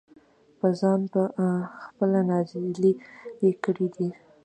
پۀ ځان پۀ خپله نازلې کړي دي -